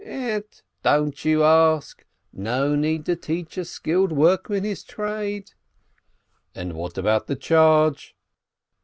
"Ett, don't you ask! No need to teach a skilled workman his trade !" "And what about the charge?"